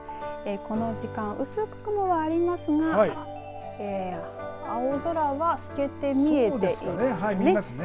この時間、薄く雲はありますが青空は透けて見えていますね。